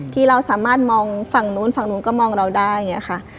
ที่เราสามารถมองฝั่งนู้นฝั่งนู้นก็มองเราได้อย่างนี้ค่ะ